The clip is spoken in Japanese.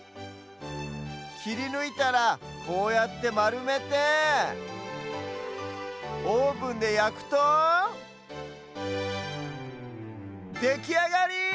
きりぬいたらこうやってまるめてオーブンでやくとできあがり！